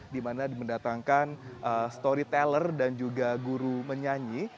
di mana di mendatangkan storyteller dan juga guru menyanyi